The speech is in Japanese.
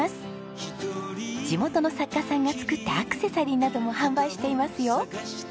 地元の作家さんが作ったアクセサリーなども販売していますよ。